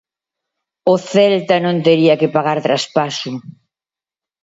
O Celta non tería que pagar traspaso.